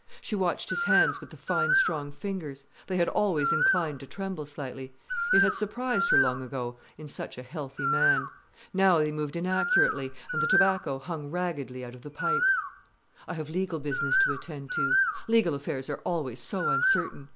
She watched his hands with the fine strong fingers. They had always inclined to tremble slightly. It had surprised her, long ago, in such a healthy man. Now they moved inaccurately, and the tobacco hung raggedly out of the pipe. "I have legal business to attend to. Legal affairs are always so uncertain.